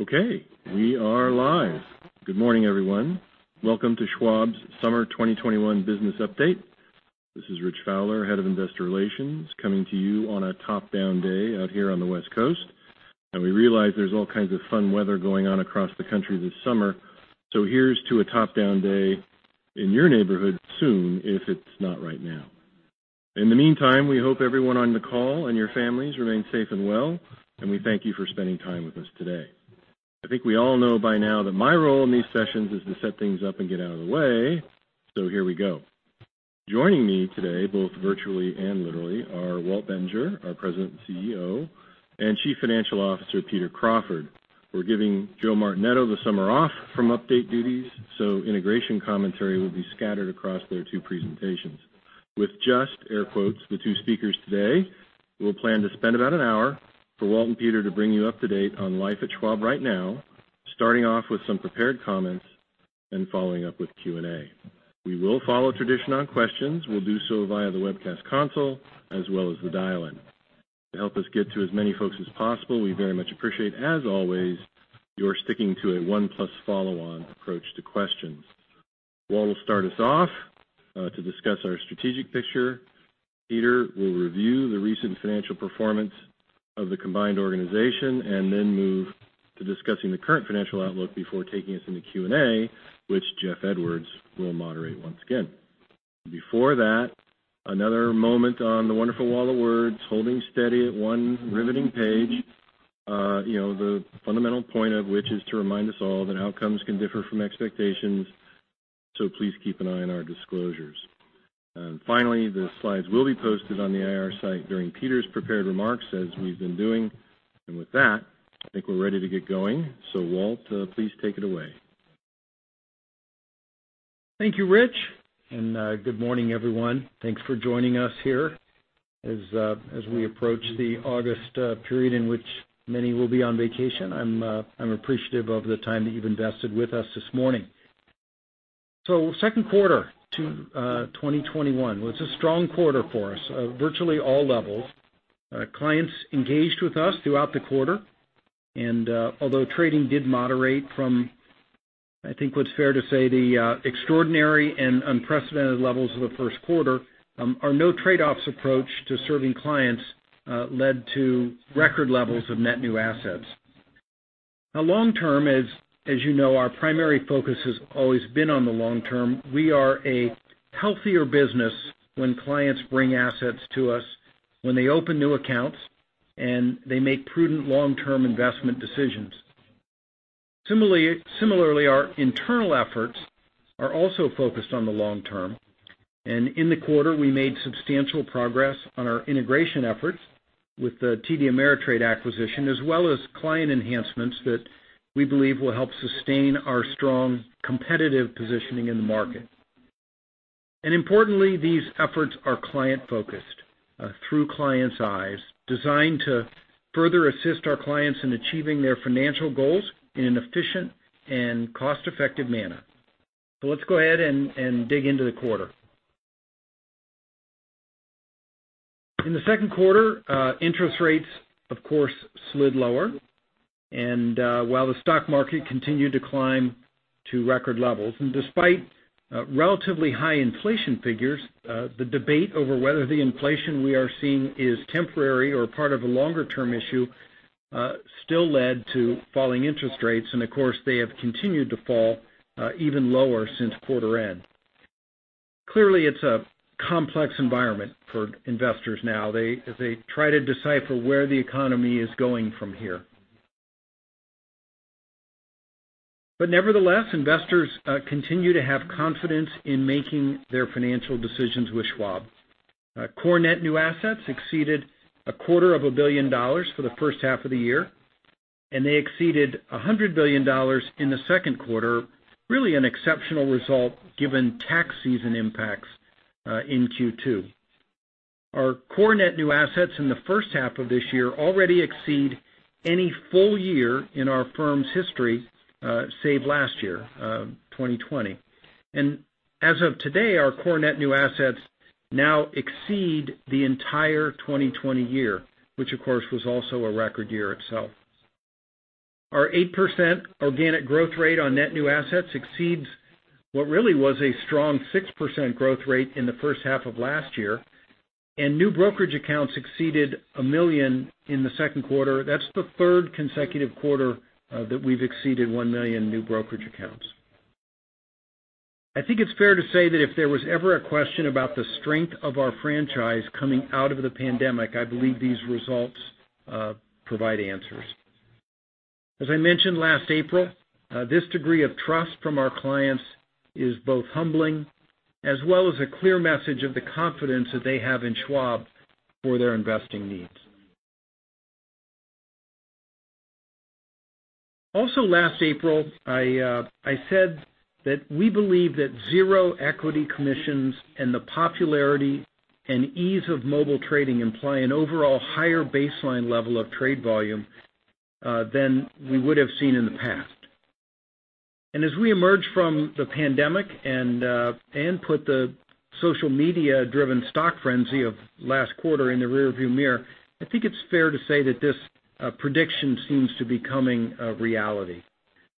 Okay, we are live. Good morning, everyone. Welcome to Schwab's Summer 2021 Business Update. This is Rich Fowler, Head of Investor Relations, coming to you on a top-down day out here on the West Coast. We realize there's all kinds of fun weather going on across the country this summer. Here's to a top-down day in your neighborhood soon, if it's not right now. In the meantime, we hope everyone on the call and your families remain safe and well. We thank you for spending time with us today. I think we all know by now that my role in these sessions is to set things up and get out of the way. Here we go. Joining me today, both virtually and literally, are Walter Bettinger, our President and CEO, and Chief Financial Officer, Peter Crawford. We're giving Joseph Martinetto the summer off from update duties, so integration commentary will be scattered across their two presentations. With just, air quotes, "the two speakers" today, we'll plan to spend about an hour for Walt and Peter to bring you up to-date on life at Schwab right now, starting off with some prepared comments and following up with Q&A. We will follow tradition on questions. We'll do so via the webcast console as well as the dial-in. To help us get to as many folks as possible, we very much appreciate, as always, your sticking to a one-plus-follow-on approach to questions. Walt will start us off, to discuss our strategic picture. Peter will review the recent financial performance of the combined organization and then move to discussing the current financial outlook before taking us into Q&A, which Jeff Edwards will moderate once again. Before that, another moment on the wonderful wall of words, holding steady at one riveting page. The fundamental point of which is to remind us all that outcomes can differ from expectations, so please keep an eye on our disclosures. Finally, the slides will be posted on the IR site during Peter's prepared remarks, as we've been doing. With that, I think we're ready to get going. Walt, please take it away. Thank you, Rich, and good morning, everyone. Thanks for joining us here. As we approach the August period in which many will be on vacation, I'm appreciative of the time that you've invested with us this morning. Q2 2021 was a strong quarter for us, virtually all levels. Clients engaged with us throughout the quarter. Although trading did moderate from, I think what's fair to say, the extraordinary and unprecedented levels of the Q1, our no trade-offs approach to serving clients led to record levels of net new assets. Long term, as you know, our primary focus has always been on the long-term. We are a healthier business when clients bring assets to us, when they open new accounts, and they make prudent long-term investment decisions. Similarly, our internal efforts are also focused on the long-term, in the quarter, we made substantial progress on our integration efforts with the TD Ameritrade acquisition, as well as client enhancements that we believe will help sustain our strong competitive positioning in the market. Importantly, these efforts are client-focused, Through Clients' Eyes, designed to further assist our clients in achieving their financial goals in an efficient and cost-effective manner. Let's go ahead and dig into the quarter. In the Q2, interest rates, of course, slid lower, while the stock market continued to climb to record levels. Despite relatively high inflation figures, the debate over whether the inflation we are seeing is temporary or part of a longer-term issue still led to falling interest rates, and of course, they have continued to fall even lower since quarter-end. Clearly, it's a complex environment for investors now as they try to decipher where the economy is going from here. Nevertheless, investors continue to have confidence in making their financial decisions with Schwab. Core net new assets exceeded a quarter of a billion dollars for the H1 of the year, and they exceeded $100 billion in the Q2. Really an exceptional result given tax season impacts in Q2. Our core net new assets in the H1 of this year already exceed any full-year in our firm's history, save last year, 2020. As of today, our core net new assets now exceed the entire 2020 year, which of course, was also a record year itself. Our 8% organic growth rate on net new assets exceeds what really was a strong 6% growth rate in the H1 of last year. New brokerage accounts exceeded $1 million in the Q2. That's the third consecutive quarter that we've exceeded $1 million new brokerage accounts. I think it's fair to say that if there was ever a question about the strength of our franchise coming out of the pandemic, I believe these results provide answers. As I mentioned last April, this degree of trust from our clients is both humbling as well as a clear message of the confidence that they have in Schwab for their investing needs. Last April, I said that we believe that zero equity commissions and the popularity and ease of mobile trading imply an overall higher baseline level of trade volume than we would have seen in the past. As we emerge from the pandemic and put the social media-driven stock frenzy of last quarter in the rearview mirror, I think it's fair to say that this prediction seems to be becoming a reality.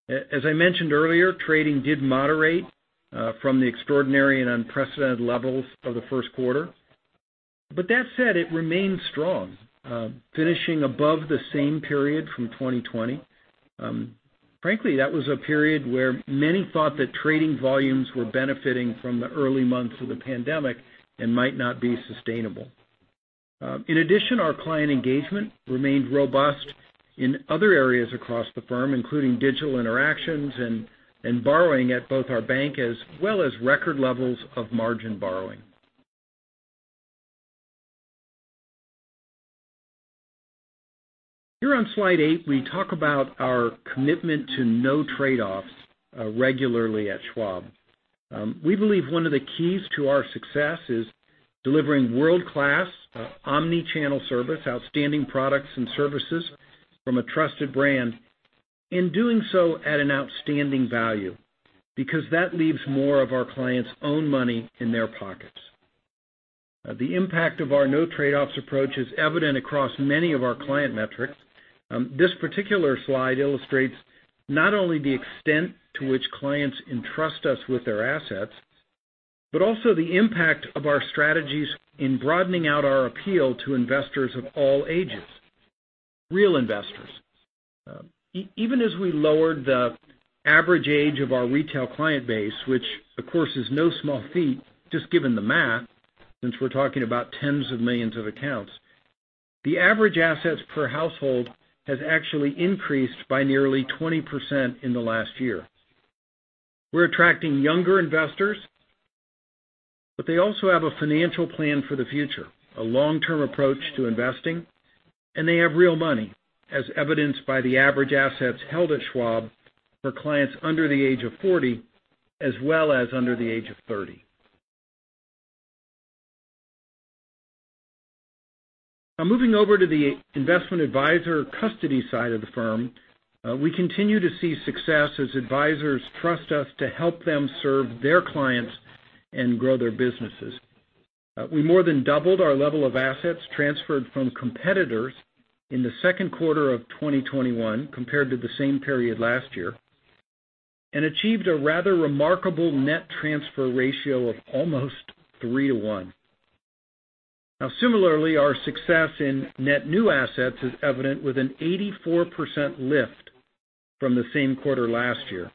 As I mentioned earlier, trading did moderate from the extraordinary and unprecedented levels of the Q1. That said, it remained strong, finishing above the same period from 2020. Frankly, that was a period where many thought that trading volumes were benefiting from the early months of the pandemic and might not be sustainable. In addition, our client engagement remained robust in other areas across the firm, including digital interactions and borrowing at both our Schwab Bank as well as record levels of margin borrowing. Here on slide eight, we talk about our commitment to no trade-offs regularly at Schwab. We believe one of the keys to our success is delivering world-class, omni-channel service, outstanding products and services from a trusted brand, and doing so at an outstanding value, because that leaves more of our clients' own money in their pockets. The impact of our no trade-offs approach is evident across many of our client metrics. This particular slide illustrates not only the extent to which clients entrust us with their assets, but also the impact of our strategies in broadening out our appeal to investors of all ages, real investors. Even as we lowered the average age of our retail client base, which of course is no small feat, just given the math, since we're talking about tens of millions of accounts, the average assets per household has actually increased by nearly 20% in the last year. We're attracting younger investors, but they also have a financial plan for the future, a long-term approach to investing, and they have real money, as evidenced by the average assets held at Schwab for clients under the age of 40, as well as under the age of 30. Now, moving over to the investment advisor custody side of the firm, we continue to see success as advisors trust us to help them serve their clients and grow their businesses. We more than doubled our level of assets transferred from competitors in the Q2 of 2021 compared to the same period last year, achieved a rather remarkable net transfer ratio of almost three-one. Similarly, our success in net new assets is evident with an 84% lift from the same quarter last year.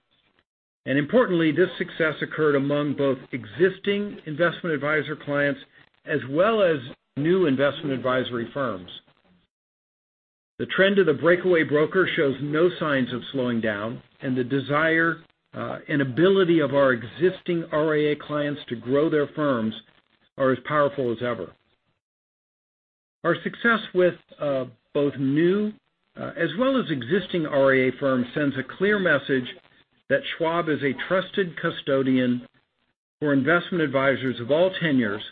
Importantly, this success occurred among both existing investment advisor clients as well as new investment advisory firms. The trend of the breakaway broker shows no signs of slowing down, the desire and ability of our existing RIA clients to grow their firms are as powerful as ever. Our success with both new as well as existing RIA firms sends a clear message that Schwab is a trusted custodian for investment advisors of all tenures,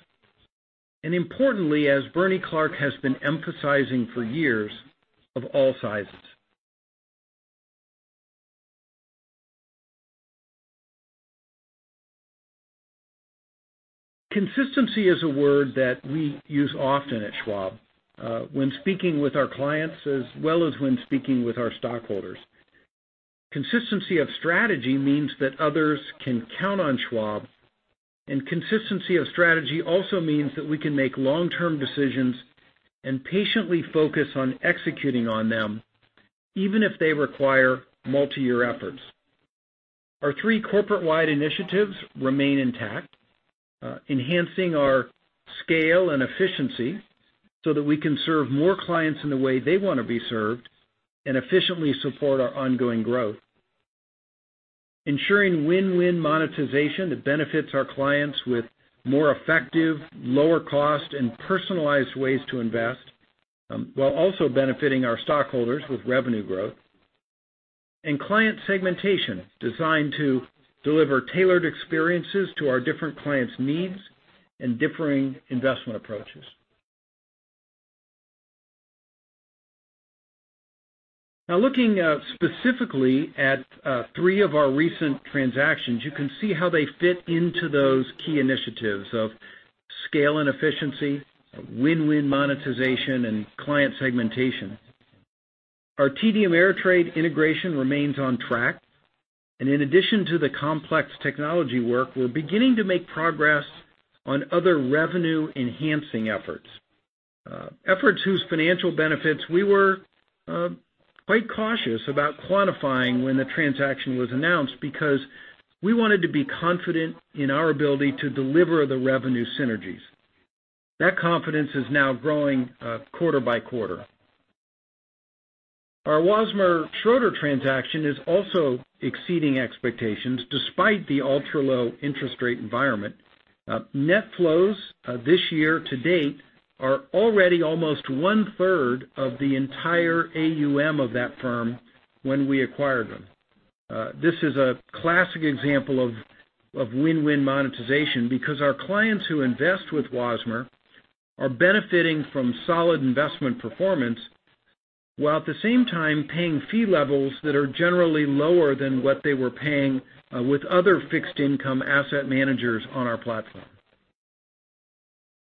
importantly, as Bernie Clark has been emphasizing for years, of all sizes. Consistency is a word that we use often at Schwab, when speaking with our clients as well as when speaking with our stockholders. Consistency of strategy means that others can count on Schwab, and consistency of strategy also means that we can make long-term decisions and patiently focus on executing on them, even if they require multi-year efforts. Our three corporate-wide initiatives remain intact, enhancing our scale and efficiency so that we can serve more clients in the way they want to be served and efficiently support our ongoing growth, ensuring win-win monetization that benefits our clients with more effective, lower cost, and personalized ways to invest, while also benefiting our stockholders with revenue growth. Client segmentation designed to deliver tailored experiences to our different clients' needs and differing investment approaches. Now looking specifically at three of our recent transactions, you can see how they fit into those key initiatives of scale and efficiency, win-win monetization, and client segmentation. Our TD Ameritrade integration remains on track, and in addition to the complex technology work, we're beginning to make progress on other revenue-enhancing efforts. Efforts whose financial benefits we were quite cautious about quantifying when the transaction was announced because we wanted to be confident in our ability to deliver the revenue synergies. That confidence is now growing quarter-by-quarter. Our Wasmer Schroeder transaction is also exceeding expectations, despite the ultra-low interest rate environment. Net flows this year-to-date are already almost one-third of the entire AUM of that firm when we acquired them. This is a classic example of win-win monetization, because our clients who invest with Wasmer are benefiting from solid investment performance. While at the same time paying fee levels that are generally lower than what they were paying with other fixed income asset managers on our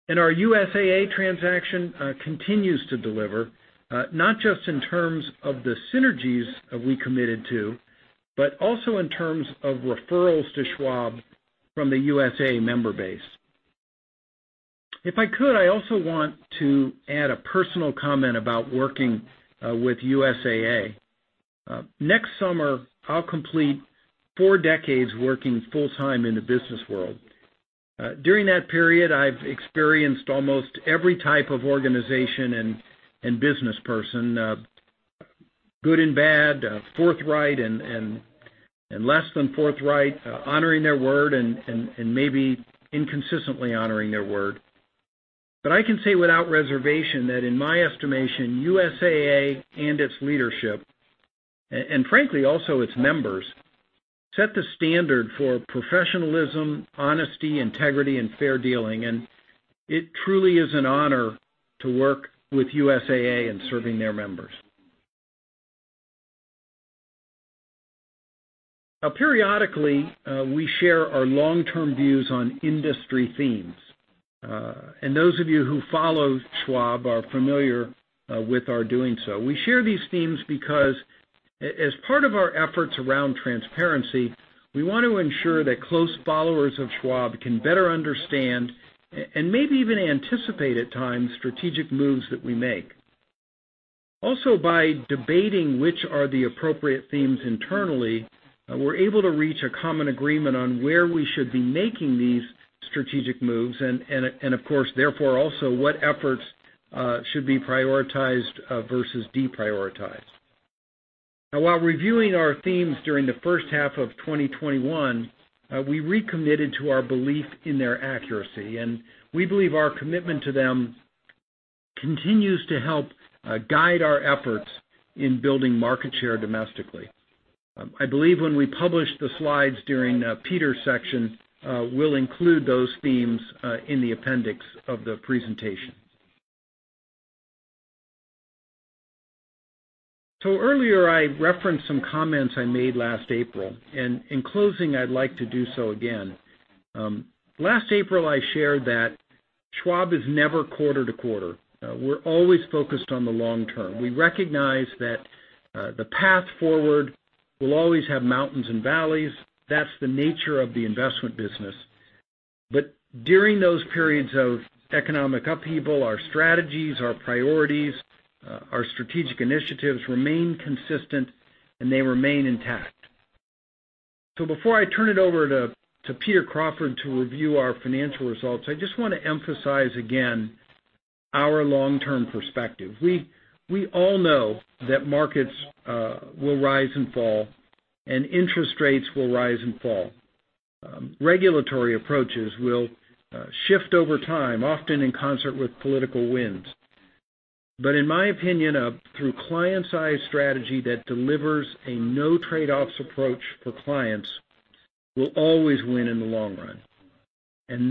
platform. Our USAA transaction continues to deliver, not just in terms of the synergies we committed to, but also in terms of referrals to Schwab from the USAA member base. If I could, I also want to add a personal comment about working with USAA. Next summer, I'll complete four decades working full-time in the business world. During that period, I've experienced almost every type of organization and business person, good and bad, forthright and less than forthright, honoring their word and maybe inconsistently honoring their word. I can say without reservation that in my estimation, USAA and its leadership, and frankly also its members, set the standard for professionalism, honesty, integrity and fair dealing. It truly is an honor to work with USAA in serving their members. Now periodically, we share our long-term views on industry themes. Those of you who follow Schwab are familiar with our doing so. We share these themes because as part of our efforts around transparency, we want to ensure that close followers of Schwab can better understand, and maybe even anticipate at times, strategic moves that we make. By debating which are the appropriate themes internally, we're able to reach a common agreement on where we should be making these strategic moves and of course, therefore, also what efforts should be prioritized versus deprioritized. While reviewing our themes during the H1 of 2021, we recommitted to our belief in their accuracy, and we believe our commitment to them continues to help guide our efforts in building market share domestically. I believe when we publish the slides during Peter Crawford's section, we'll include those themes in the appendix of the presentation. Earlier I referenced some comments I made last April, and in closing I'd like to do so again. Last April I shared that Schwab is never quarter-to-quarter. We're always focused on the long-term. We recognize that the path forward will always have mountains and valleys. That's the nature of the investment business. During those periods of economic upheaval, our strategies, our priorities, our strategic initiatives remain consistent, and they remain intact. Before I turn it over to Peter Crawford to review our financial results, I just want to emphasize again our long-term perspective. We all know that markets will rise and fall, and interest rates will rise and fall. Regulatory approaches will shift over time, often in concert with political winds. In my opinion, Through Clients' Eyes strategy that delivers a no trade-offs approach for clients, we'll always win in the long run.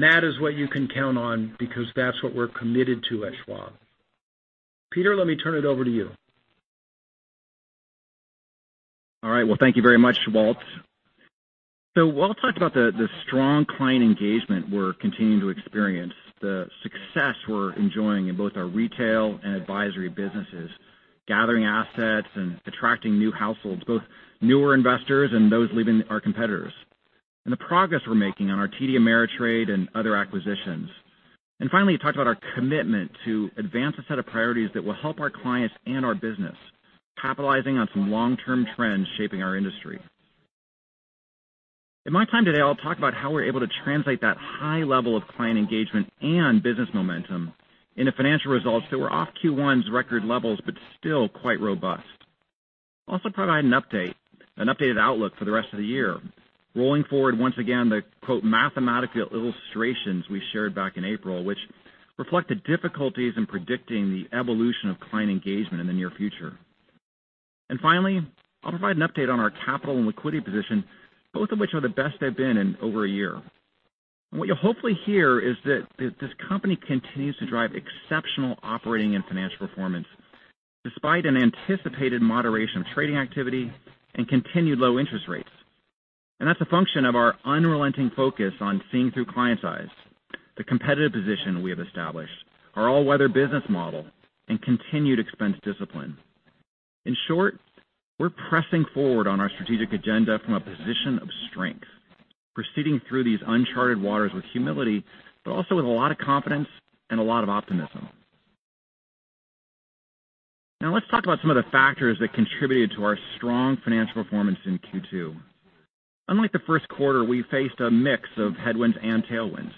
That is what you can count on because that's what we're committed to at Schwab. Peter, let me turn it over to you. All right. Well, thank you very much, Walt. Walt talked about the strong client engagement we're continuing to experience, the success we're enjoying in both our retail and advisory businesses, gathering assets and attracting new households, both newer investors and those leaving our competitors, and the progress we're making on our TD Ameritrade and other acquisitions. Finally, he talked about our commitment to advance a set of priorities that will help our clients and our business, capitalizing on some long-term trends shaping our industry. In my time today, I'll talk about how we're able to translate that high level of client engagement and business momentum into financial results that were off Q1's record levels, but still quite robust. I'll also provide an updated outlook for the rest of the year, rolling forward once again, the quote "mathematical illustrations" we shared back in April, which reflect the difficulties in predicting the evolution of client engagement in the near future. Finally, I'll provide an update on our capital and liquidity position, both of which are the best they've been in over a year. What you'll hopefully hear is that this company continues to drive exceptional operating and financial performance despite an anticipated moderation of trading activity and continued low interest rates. That's a function of our unrelenting focus on seeing through clients' eyes the competitive position we have established, our all-weather business model and continued expense discipline. In short, we're pressing forward on our strategic agenda from a position of strength, proceeding through these uncharted waters with humility, but also with a lot of confidence and a lot of optimism. Let's talk about some of the factors that contributed to our strong financial performance in Q2. Unlike the Q1, we faced a mix of headwinds and tailwinds.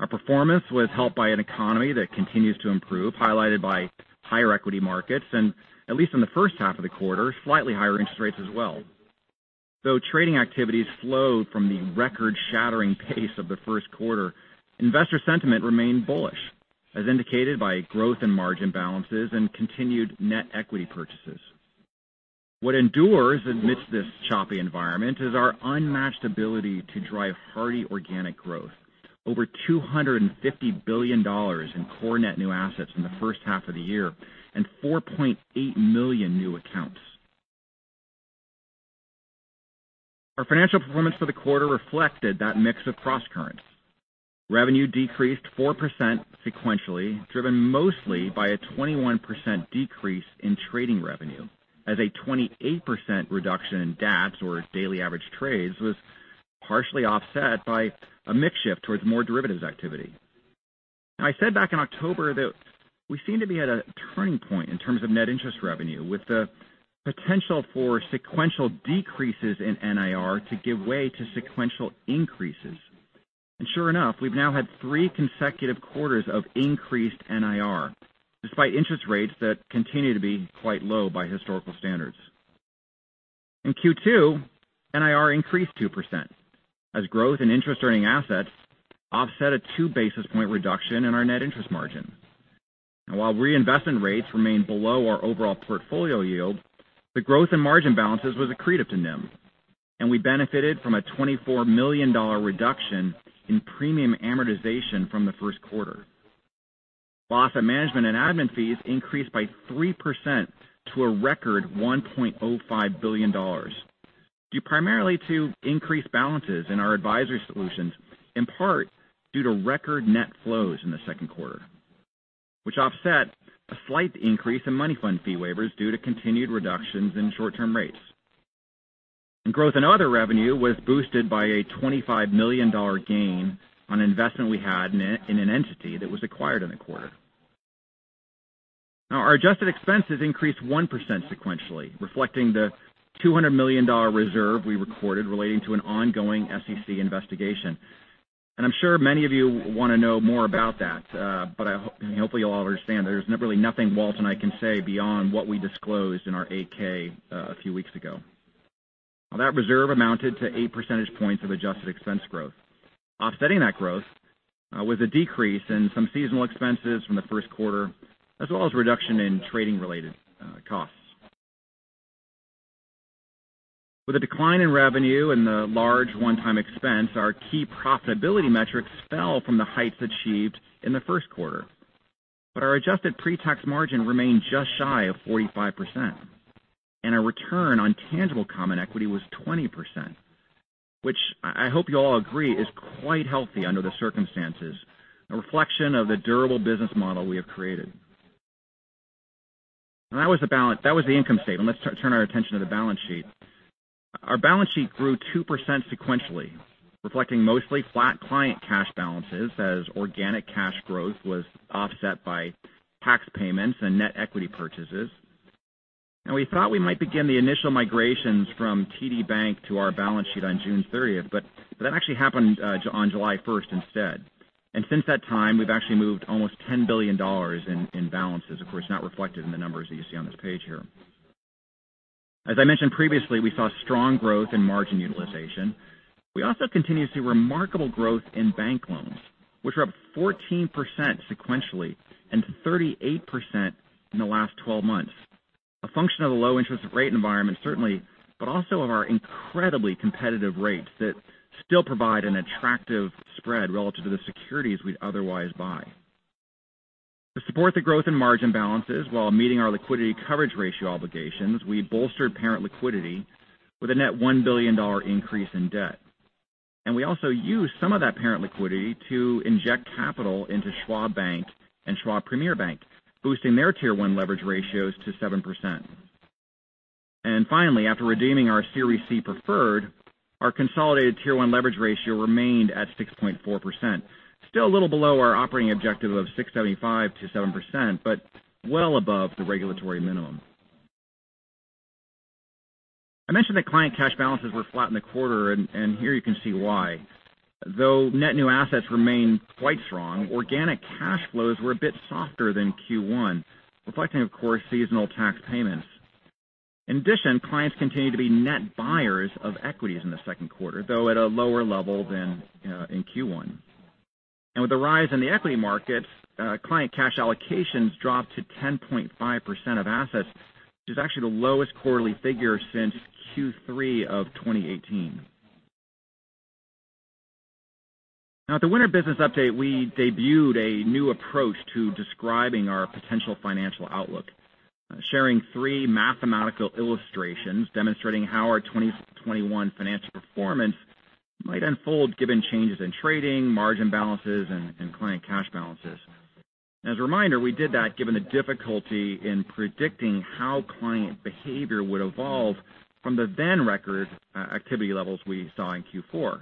Our performance was helped by an economy that continues to improve, highlighted by higher equity markets and, at least in the H1 of the quarter, slightly higher interest rates as well. Though trading activity slowed from the record-shattering pace of the first quarter, investor sentiment remained bullish, as indicated by growth in margin balances and continued net equity purchases. What endures amidst this choppy environment is our unmatched ability to drive hearty organic growth. Over $250 billion in core net new assets in the H1 of the year and 4.8 million new accounts. Our financial performance for the quarter reflected that mix of cross-currents. Revenue decreased 4% sequentially, driven mostly by a 21% decrease in trading revenue as a 28% reduction in DATs, or daily average trades, was partially offset by a mix shift towards more derivatives activity. I said back in October that we seem to be at a turning point in terms of net interest revenue, with the potential for sequential decreases in NIR to give way to sequential increases. Sure enough, we've now had three consecutive quarters of increased NIR, despite interest rates that continue to be quite low by historical standards. In Q2, NIR increased 2% as growth and interest earning assets offset a 2-basis-point reduction in our net interest margin. Now while reinvestment rates remain below our overall portfolio yield, the growth in margin balances was accretive to NIM, and we benefited from a $24 million reduction in premium amortization from the Q1. While asset management and admin fees increased by 3% to a record $1.05 billion, due primarily to increased balances in our advisory solutions, in part due to record net flows in the Q2, which offset a slight increase in money fund fee waivers due to continued reductions in short-term rates. Growth and other revenue was boosted by a $25 million gain on investment we had in an entity that was acquired in the quarter. Now our adjusted expenses increased 1% sequentially, reflecting the $200 million reserve we recorded relating to an ongoing SEC investigation. I'm sure many of you want to know more about that. Hopefully you'll all understand there's really nothing Walt and I can say beyond what we disclosed in our 8-K a few weeks ago. That reserve amounted to 8 percentage points of adjusted expense growth. Offsetting that growth was a decrease in some seasonal expenses from the Q1, as well as reduction in trading-related costs. With a decline in revenue and the large one-time expense, our key profitability metrics fell from the heights achieved in the Q1. Our adjusted pre-tax margin remained just shy of 45%, and our return on tangible common equity was 20%, which I hope you all agree is quite healthy under the circumstances, a reflection of the durable business model we have created. That was the income statement. Let's turn our attention to the balance sheet. Our balance sheet grew 2% sequentially, reflecting mostly flat client cash balances as organic cash growth was offset by tax payments and net equity purchases. We thought we might begin the initial migrations from TD Bank to our balance sheet on June 30th, but that actually happened on July 1st instead, and since that time, we've actually moved almost $10 billion in balances. Of course, not reflected in the numbers that you see on this page here. As I mentioned previously, we saw strong growth in margin utilization. We also continue to see remarkable growth in bank loans, which are up 14% sequentially and 38% in the last 12 months. A function of the low interest rate environment, certainly, but also of our incredibly competitive rates that still provide an attractive spread relative to the securities we'd otherwise buy. To support the growth in margin balances while meeting our liquidity coverage ratio obligations, we bolstered parent liquidity with a net $1 billion increase in debt. We also used some of that parent liquidity to inject capital into Schwab Bank and Schwab Premier Bank, boosting their Tier 1 leverage ratios to 7%. Finally, after redeeming our Series C preferred, our consolidated Tier 1 leverage ratio remained at 6.4%, still a little below our operating objective of 6.75%-7%, but well above the regulatory minimum. I mentioned that client cash balances were flat in the quarter, and here you can see why. Though net new assets remained quite strong, organic cash flows were a bit softer than Q1, reflecting, of course, seasonal tax payments. In addition, clients continued to be net buyers of equities in the Q2, though at a lower level than in Q1. With the rise in the equity markets, client cash allocations dropped to 10.5% of assets, which is actually the lowest quarterly figure since Q3 2018. At the winter business update, we debuted a new approach to describing our potential financial outlook, sharing three mathematical illustrations demonstrating how our 2021 financial performance might unfold given changes in trading, margin balances, and client cash balances. As a reminder, we did that given the difficulty in predicting how client behavior would evolve from the then record activity levels we saw in Q4.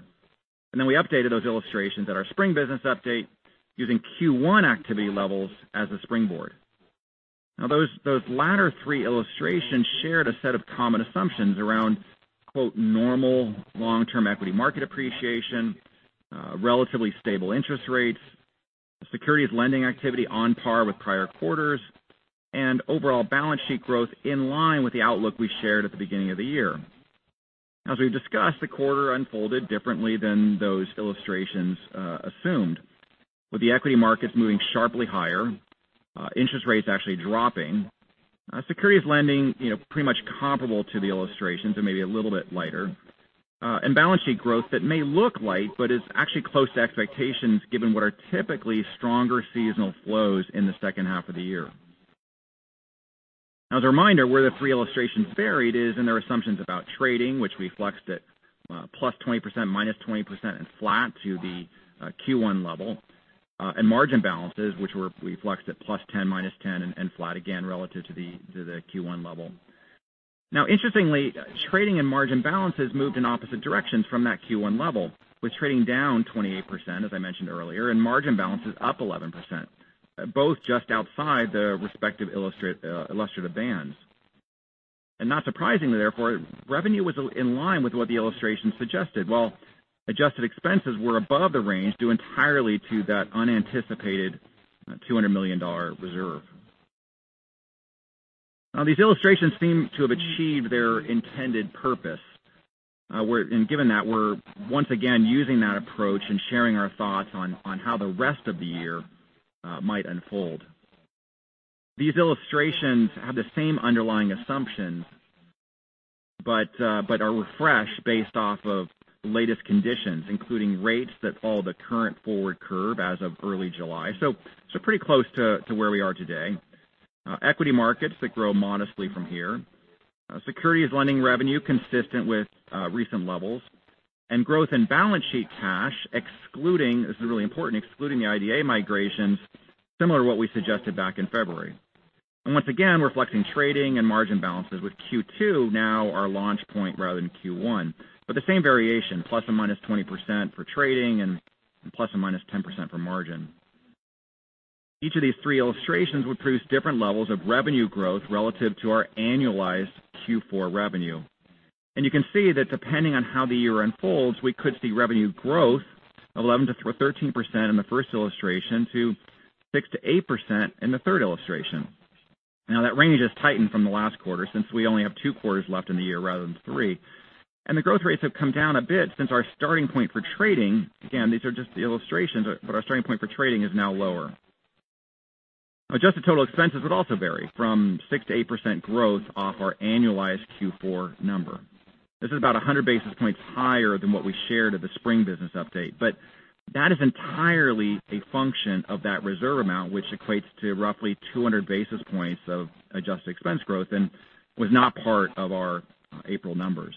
We updated those illustrations at our spring business update using Q1 activity levels as a springboard. Now those latter three illustrations shared a set of common assumptions around, quote, "normal long-term equity market appreciation," relatively stable interest rates, securities lending activity on par with prior quarters, and overall balance sheet growth in line with the outlook we shared at the beginning of the year. As we've discussed, the quarter unfolded differently than those illustrations assumed. With the equity markets moving sharply higher, interest rates actually dropping, securities lending pretty much comparable to the illustrations and maybe a little bit lighter, and balance sheet growth that may look light, but is actually close to expectations given what are typically stronger seasonal flows in the H2 of the year. As a reminder, where the three illustrations varied is in their assumptions about trading, which reflects that +20%, -20% and flat to the Q1 level, and margin balances, which were reflected +10, -10 and flat again relative to the Q1 level. Interestingly, trading and margin balances moved in opposite directions from that Q1 level, with trading -28%, as I mentioned earlier, and margin balances +11%, both just outside the respective illustrative bands. Not surprisingly, therefore, revenue was in line with what the illustration suggested. While adjusted expenses were above the range due entirely to that unanticipated $200 million reserve. These illustrations seem to have achieved their intended purpose. Given that, we're once again using that approach and sharing our thoughts on how the rest of the year might unfold. These illustrations have the same underlying assumptions, but are refreshed based off of latest conditions, including rates that follow the current forward curve as of early July. Pretty close to where we are today. Equity markets that grow modestly from here. Securities lending revenue consistent with recent levels, and growth in balance sheet cash, this is really important, excluding the IDA migrations, similar to what we suggested back in February. Once again, reflecting trading and margin balances with Q2 now our launch point rather than Q1. The same variation, ±20% for trading and ±10% for margin. Each of these three illustrations would produce different levels of revenue growth relative to our annualized Q4 revenue. You can see that depending on how the year unfolds, we could see revenue growth 11%-13% in the first illustration to 6%-8% in the third illustration. That range has tightened from the last quarter since we only have two quarters left in the year rather than three. The growth rates have come down a bit since our starting point for trading, again, these are just the illustrations, but our starting point for trading is now lower. Adjusted total expenses would also vary from 6%-8% growth off our annualized Q4 number. This is about 100 basis points higher than what we shared at the spring business update. That is entirely a function of that reserve amount, which equates to roughly 200 basis points of adjusted expense growth and was not part of our April numbers.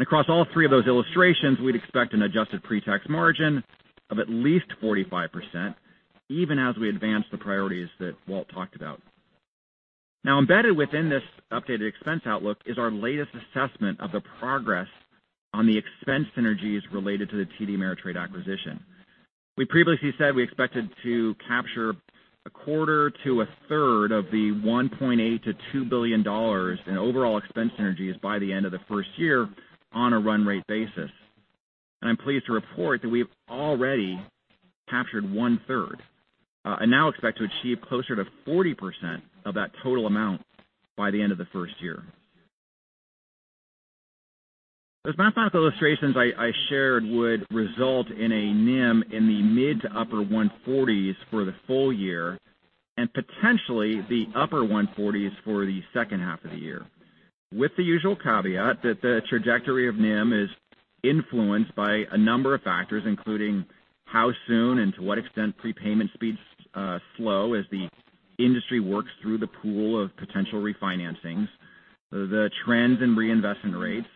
Across all three of those illustrations, we'd expect an adjusted pre-tax margin of at least 45%, even as we advance the priorities that Walt talked about. Now embedded within this updated expense outlook is our latest assessment of the progress on the expense synergies related to the TD Ameritrade acquisition. We previously said we expected to capture a quarter to a third of the $1.8 billion-$2 billion in overall expense synergies by the end of the first year on a run rate basis. I'm pleased to report that we've already captured one third, and now expect to achieve closer to 40% of that total amount by the end of the first year. Those math illustrations I shared would result in a NIM in the mid to upper 140s for the full-year, and potentially the upper 140s for the H2 half of the year. With the usual caveat that the trajectory of NIM is influenced by a number of factors, including how soon and to what extent prepayment speeds slow as the industry works through the pool of potential refinancings, the trends in reinvestment rates,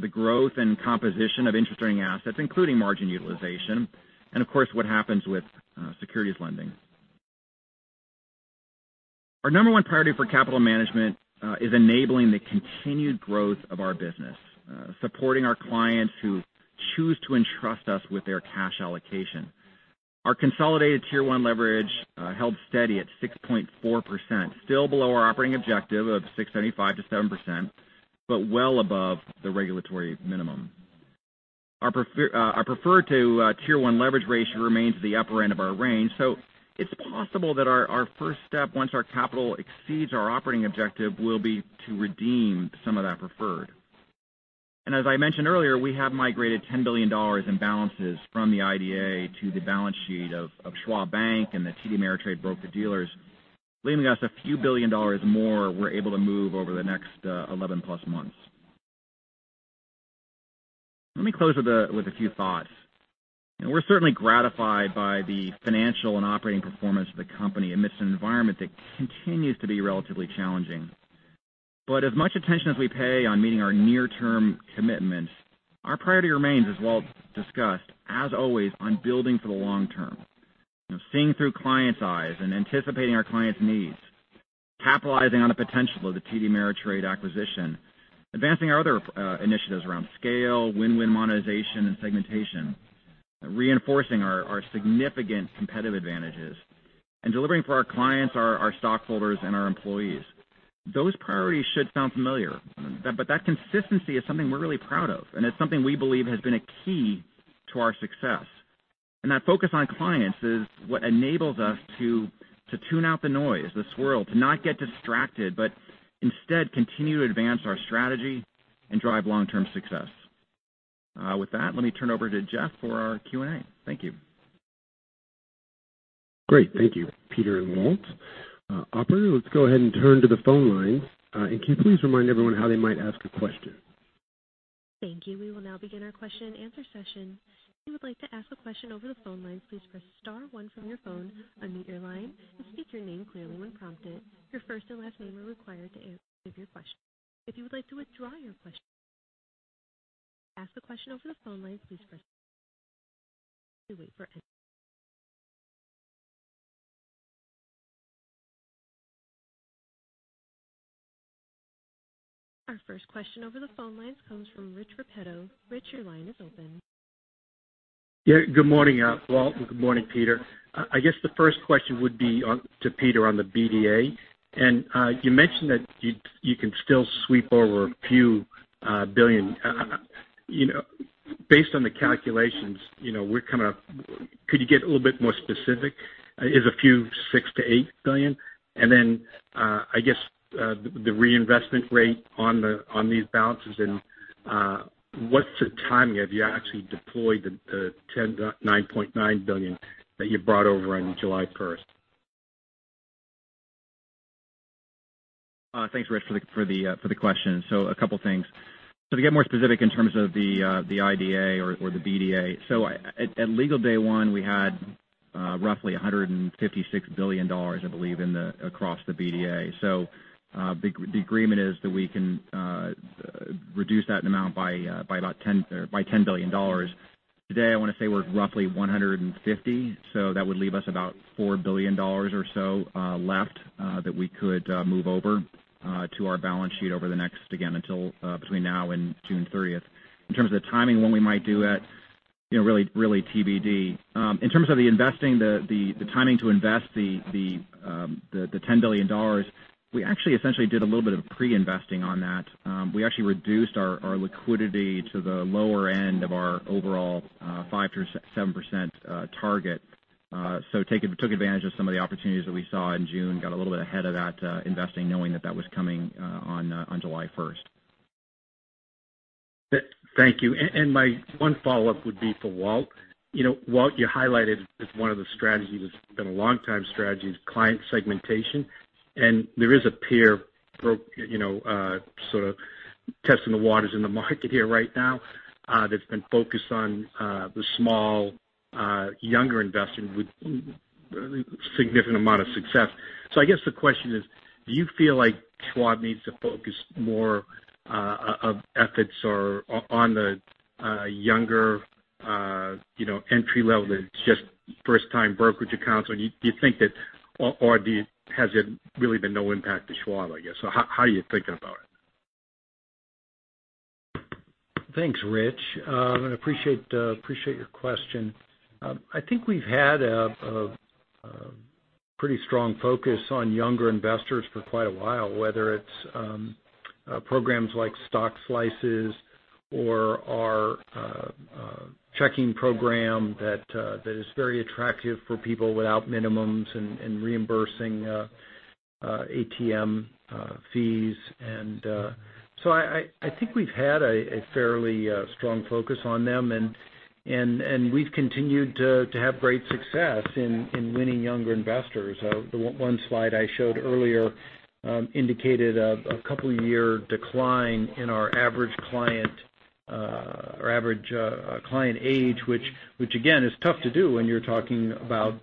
the growth and composition of interest-earning assets, including margin utilization, and of course, what happens with securities lending. Our number one priority for capital management is enabling the continued growth of our business, supporting our clients who choose to entrust us with their cash allocation. Our consolidated Tier 1 leverage held steady at 6.4%, still below our operating objective of 6.75%-7%, but well above the regulatory minimum. Our preferred to Tier 1 leverage ratio remains at the upper end of our range, so it's possible that our first step once our capital exceeds our operating objective will be to redeem some of that preferred. As I mentioned earlier, we have migrated $10 billion in balances from the IDA to the balance sheet of Schwab Bank and the TD Ameritrade broker-dealers, leaving us a few billion dollars more we're able to move over the next 11+ months. Let me close with a few thoughts. We're certainly gratified by the financial and operating performance of the company amidst an environment that continues to be relatively challenging. As much attention as we pay on meeting our near-term commitments, our priority remains, as Walt discussed, as always, on building for the long term, seeing through clients' eyes and anticipating our clients' needs, capitalizing on the potential of the TD Ameritrade acquisition, advancing our other initiatives around scale, win-win monetization and segmentation, reinforcing our significant competitive advantages, and delivering for our clients, our stockholders, and our employees. Those priorities should sound familiar. That consistency is something we're really proud of, and it's something we believe has been a key to our success. That focus on clients is what enables us to tune out the noise, the swirl, to not get distracted, but instead continue to advance our strategy and drive long-term success. With that, let me turn over to Jeff for our Q&A. Thank you. Great. Thank you, Peter and Walt. Operator, let's go ahead and turn to the phone lines. Can you please remind everyone how they might ask a question? Thank you. We will now begin our question-and-answer session. If you would like to ask a question over the phone lines, please press star one from your phone on the line and state your name clearly when prompted. Your first and last name are required to give your question. If you would like to withdraw your question. We wait for any. Our first question over the phone lines comes from Rich Repetto. Rich, your line is open. Good morning, Walt, and good morning, Peter. The first question would be to Peter on the BDA. You mentioned that you can still sweep over a few billion. Based on the calculations, could you get a little bit more specific? Is a few $6 billion-$8 billion? The reinvestment rate on these balances and what's the timing? Have you actually deployed the $10.9 billion that you brought over on July 1st? Thanks, Rich, for the question. A couple things. To get more specific in terms of the IDA or the BDA. At legal day one, we had roughly $156 billion, I believe, across the BDA. The agreement is that we can reduce that amount by $10 billion. Today, I want to say we're at roughly $150 billion, so that would leave us about $4 billion or so left that we could move over to our balance sheet over the next, again, until between now and June 30th. In terms of the timing when we might do that, really TBD. In terms of the timing to invest the $10 billion, we actually essentially did a little bit of pre-investing on that. We actually reduced our liquidity to the lower end of our overall 5%-7% target. Took advantage of some of the opportunities that we saw in June, got a little bit ahead of that investing, knowing that that was coming on July 1st. Thank you. My one follow-up would be for Walt Bettinger. Walt Bettinger, you highlighted as one of the strategies that's been a long-time strategy is client segmentation, and there is a peer sort of testing the waters in the market here right now that's been focused on the small, younger investors with a significant amount of success. I guess the question is, do you feel like Schwab needs to focus more of efforts on the younger entry level than just first-time brokerage accounts? Has it really been no impact to Schwab, I guess? How are you thinking about it? Thanks, Rich. I appreciate your question. I think we've had a pretty strong focus on younger investors for quite a while, whether it's programs like Stock Slices or our checking program that is very attractive for people without minimums and reimbursing ATM fees. I think we've had a fairly strong focus on them and we've continued to have great success in winning younger investors. The one slide I showed earlier indicated a couple-year decline in our average client age, which again, is tough to do when you're talking about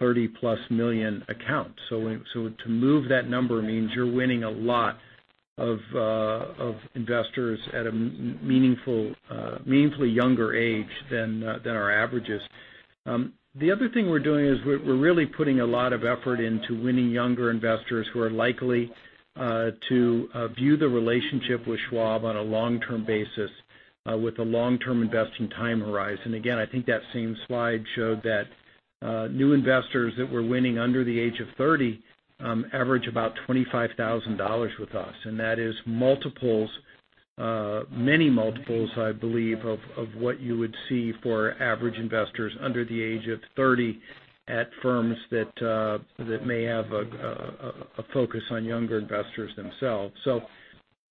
30+ million accounts. To move that number means you're winning a lot of investors at a meaningfully younger age than our averages. The other thing we're doing is we're really putting a lot of effort into winning younger investors who are likely to view the relationship with Schwab on a long-term basis with a long-term investing time horizon. I think that same slide showed that new investors that we're winning under the age of 30 average about $25,000 with us, and that is many multiples, I believe, of what you would see for average investors under the age of 30 at firms that may have a focus on younger investors themselves.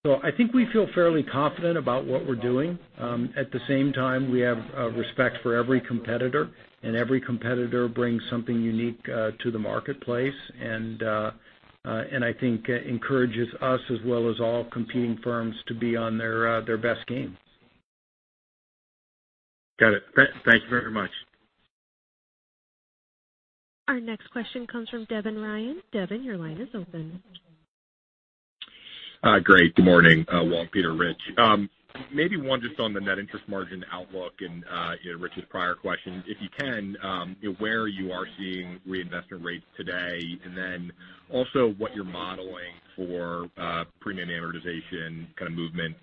I think we feel fairly confident about what we're doing. At the same time, we have respect for every competitor. Every competitor brings something unique to the marketplace, and I think encourages us as well as all competing firms to be on their best game. Got it. Thank you very much. Our next question comes from Devin Ryan. Devin, your line is open. Great. Good morning Walt, Peter, Rich. Maybe one just on the net interest margin outlook and Rich's prior question, if you can, where you are seeing reinvestment rates today, and then also what you're modeling for premium amortization kind of movement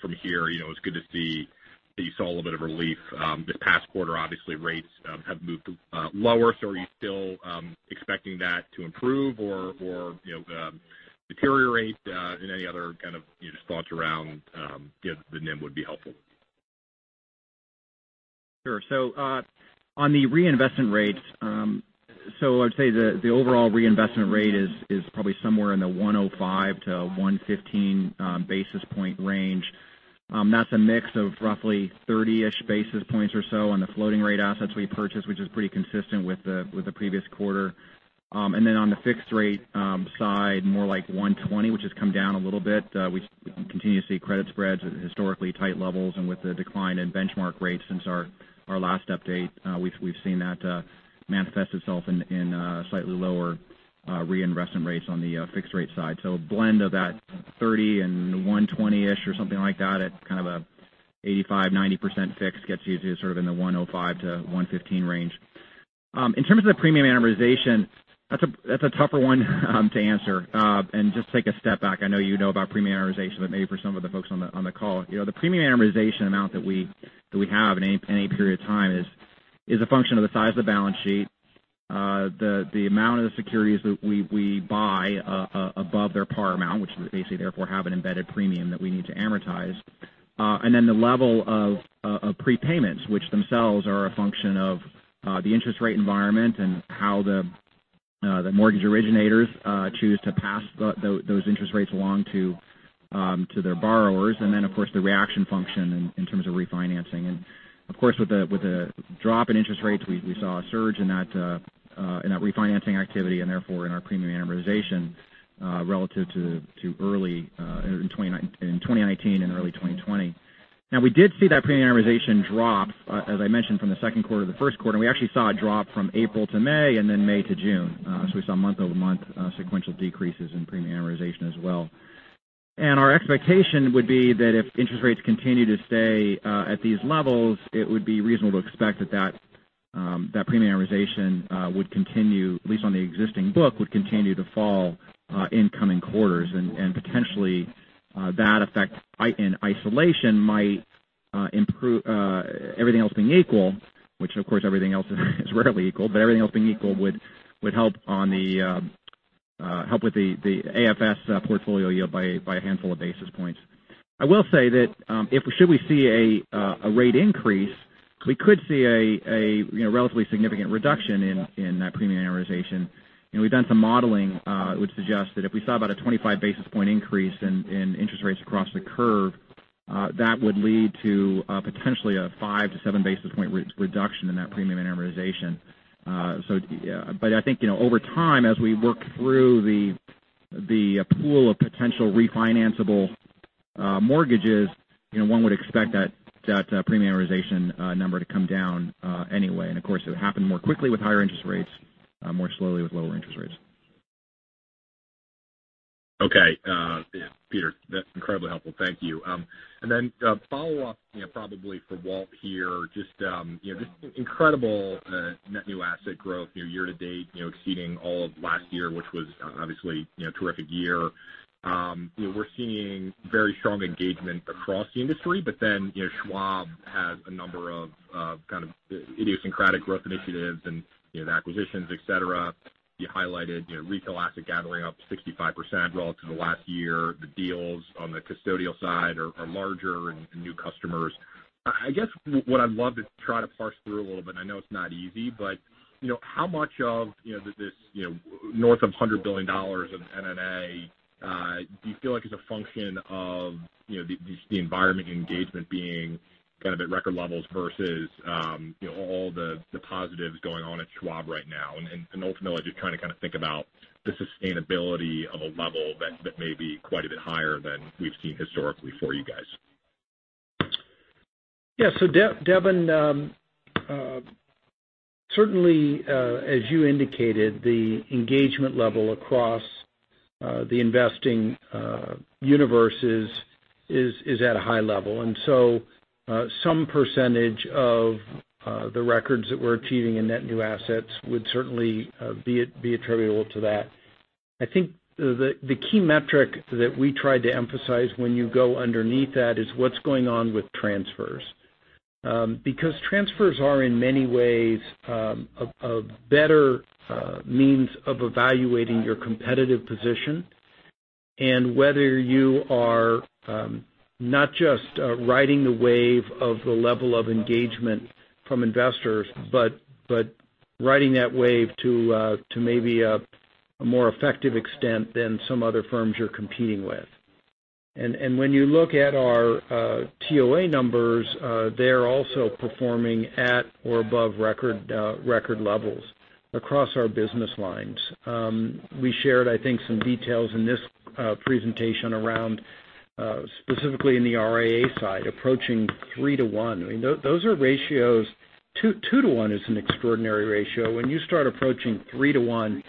from here. It's good to see that you saw a little bit of relief this past quarter. Obviously, rates have moved lower. Are you still expecting that to improve or deteriorate in any other kind of thoughts around the NIM would be helpful? Sure. On the reinvestment rates, I'd say the overall reinvestment rate is probably somewhere in the 105-115 basis point range. That's a mix of roughly 30-ish basis points or so on the floating rate assets we purchased, which is pretty consistent with the previous quarter. On the fixed-rate side, more like 120, which has come down a little bit. We continue to see credit spreads at historically tight levels. With the decline in benchmark rates since our last update, we've seen that manifest itself in slightly lower reinvestment rates on the fixed-rate side. A blend of that 30 and 120-ish, or something like that, at kind of a 85, 90% fixed gets you to sort of in the 105-115 range. In terms of the premium amortization, that's a tougher one to answer. Just take a step back, I know you know about premium amortization, but maybe for some of the folks on the call. The premium amortization amount that we have in any period of time is a function of the size of the balance sheet, the amount of the securities that we buy above their par amount, which they therefore have an embedded premium that we need to amortize. Then the level of prepayments, which themselves are a function of the interest rate environment and how the mortgage originators choose to pass those interest rates along to their borrowers. Then, of course, the reaction function in terms of refinancing. Of course, with the drop in interest rates, we saw a surge in that refinancing activity and therefore in our premium amortization relative to early in 2019 and early 2020. We did see that premium amortization drop, as I mentioned, from the Q2-Q1. We actually saw a drop from April-May and then May-June. We saw month-over-month sequential decreases in premium amortization as well. Our expectation would be that if interest rates continue to stay at these levels, it would be reasonable to expect that premium amortization would continue, at least on the existing book, would continue to fall in coming quarters. Potentially that effect in isolation might improve, everything else being equal, which of course everything else is rarely equal, but everything else being equal would help with the AFS portfolio yield by a handful of basis points. I will say that should we see a rate increase, we could see a relatively significant reduction in that premium amortization. We've done some modeling which suggests that if we saw about a 25 basis point increase in interest rates across the curve, that would lead to potentially a 5-7 basis point reduction in that premium amortization. I think, over time, as we work through the pool of potential refinanceable mortgages, one would expect that premium amortization number to come down anyway. Of course, it would happen more quickly with higher interest rates, more slowly with lower interest rates. Peter, that's incredibly helpful. Thank you. A follow-up, probably for Walt here, just incredible net new asset growth year-to-date, exceeding all of last year, which was obviously a terrific year. We're seeing very strong engagement across the industry, Schwab has a number of kind of idiosyncratic growth initiatives and acquisitions, et cetera. You highlighted retail asset gathering up 65% relative to last year. The deals on the custodial side are larger and new customers. I guess what I'd love to try to parse through a little bit, I know it's not easy, how much of this north of $100 billion of NNA do you feel like is a function of the environment engagement being kind of at record levels versus all the positives going on at Schwab right now? Ultimately, just trying to kind of think about the sustainability of a level that may be quite a bit higher than we've seen historically for you guys. Yeah. Devin, certainly, as you indicated, the engagement level across the investing universe is at a high level. Some percentage of the records that we're achieving in net new assets would certainly be attributable to that. I think the key metric that we try to emphasize when you go underneath that is what's going on with transfers. Transfers are, in many ways, a better means of evaluating your competitive position and whether you are not just riding the wave of the level of engagement from investors, but riding that wave to maybe a more effective extent than some other firms you're competing with. When you look at our TOA numbers, they're also performing at or above record levels across our business lines. We shared, I think, some details in this presentation around specifically in the RIA side, approaching 3:1. Those are ratios. 2:1 is an extraordinary ratio. When you start approaching 3:1,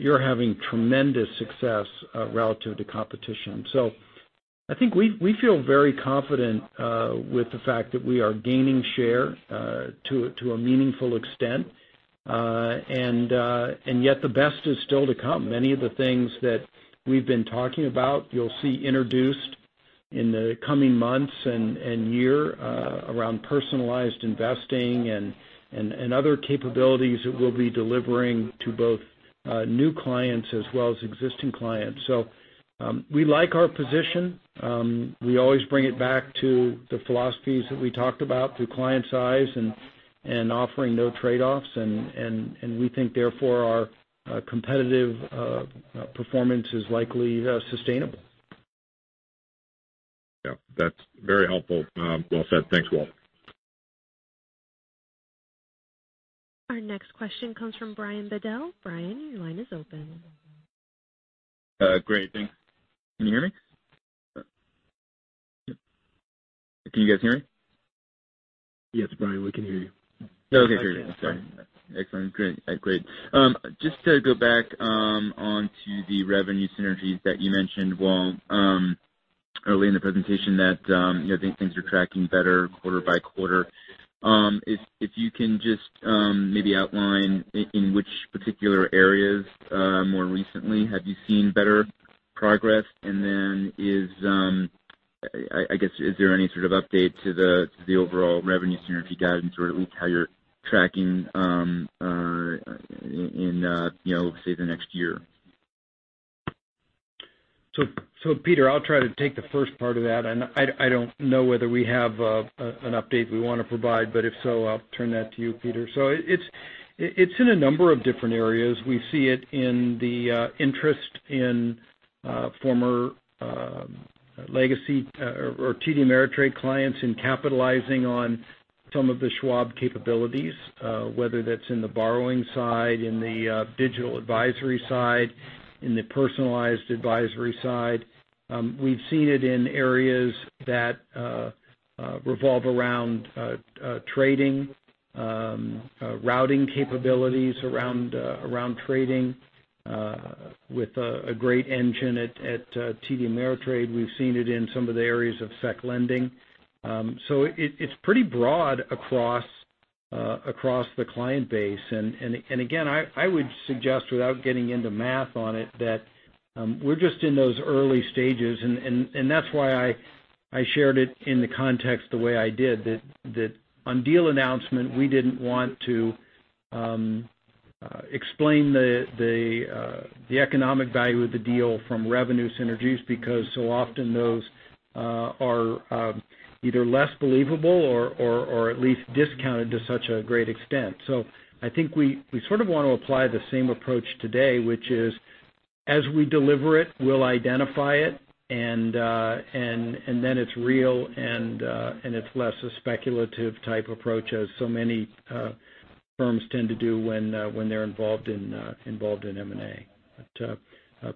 you're having tremendous success relative to competition. I think we feel very confident with the fact that we are gaining share to a meaningful extent. Yet the best is still to come. Many of the things that we've been talking about, you'll see introduced in the coming months and year around personalized investing and other capabilities that we'll be delivering to both new clients as well as existing clients. We like our position. We always bring it back to the philosophies that we talked about Through Clients' Eyes and offering no trade-offs, and we think therefore our competitive performance is likely sustainable. Yeah, that's very helpful. Well said. Thanks, Walt. Our next question comes from Brian Bedell. Brian, your line is open. Great. Thanks. Can you hear me? Yep. Can you guys hear me? Yes, Brian, we can hear you. Okay, great. Sorry. Excellent. Great. Just to go back on to the revenue synergies that you mentioned, Walt, early in the presentation that I think things are tracking better quarter-by-quarter. If you can just maybe outline in which particular areas, more recently, have you seen better progress? Then, I guess, is any sort of update to the overall revenue synergy guidance or at least how you're tracking in, say, the next year? Peter, I'll try to take the first part of that. I don't know whether we have an update we want to provide, but if so, I'll turn that to you, Peter. It's in a number of different areas. We see it in the interest in former legacy or TD Ameritrade clients in capitalizing on some of the Schwab capabilities, whether that's in the borrowing side, in the digital advisory side, in the personalized advisory side. We've seen it in areas that revolve around trading, routing capabilities around trading with a great engine at TD Ameritrade. We've seen it in some of the areas of sec lending. It's pretty broad across the client base. Again, I would suggest, without getting into math on it, that we're just in those early stages, and that's why I shared it in the context the way I did, that on deal announcement, we didn't want to explain the economic value of the deal from revenue synergies, because so often those are either less believable or at least discounted to such a great extent. I think we sort of want to apply the same approach today, which is, as we deliver it, we'll identify it, and then it's real and it's less a speculative type approach, as so many firms tend to do when they're involved in M&A.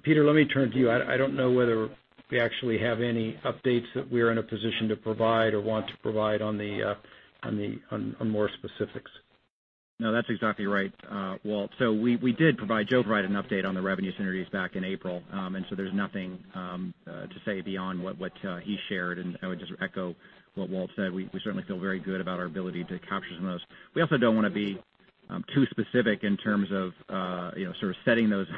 Peter, let me turn to you. I don't know whether we actually have any updates that we're in a position to provide or want to provide on more specifics. That's exactly right, Walt. We did provide, Joe provided an update on the revenue synergies back in April. There's nothing to say beyond what he shared. I would just echo what Walt said. We certainly feel very good about our ability to capture some of those. We also don't want to be too specific in terms of sort of setting those